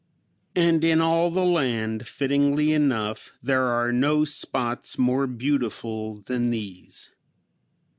And in all the land, fittingly enough, there are no spots more beautiful than these.